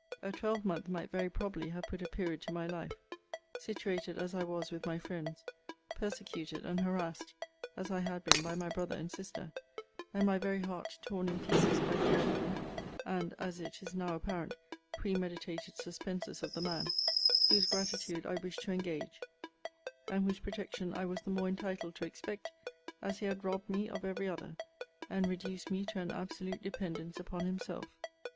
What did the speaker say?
A twelvemonth might very probably have put a period to my life; situated as I was with my friends; persecuted and harassed as I had been by my brother and sister; and my very heart torn in pieces by the wilful, and (as it is now apparent) premeditated suspenses of the man, whose gratitude I wished to engage, and whose protection I was the more entitled to expect, as he had robbed me of every other, and reduced me to an absolute dependence upon himself.